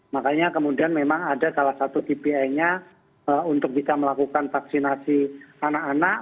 makanya kemudian memang ada salah satu kpi nya untuk bisa melakukan vaksinasi anak anak